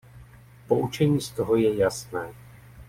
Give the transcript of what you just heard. Poučení z toho je jasné.